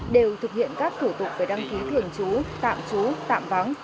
đều thực hiện các thủ tục về đăng ký thường trú tạm trú tạm vắng